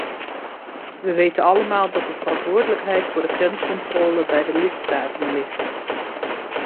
We weten allemaal dat de verantwoordelijkheid voor de grenscontrole bij de lidstaten ligt.